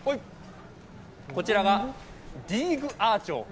こちらがディーグアーチョウ。